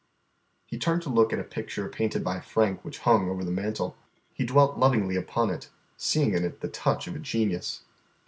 He turned to look at a picture painted by Frank which hung over the mantel. He dwelt lovingly upon it, seeing in it the touch of a genius.